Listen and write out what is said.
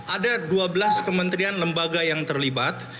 ada dua belas kementerian lembaga yang terlibat